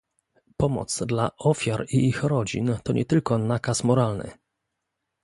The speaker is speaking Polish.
Pomoc dla ofiar i ich rodzin to nie tylko nakaz moralny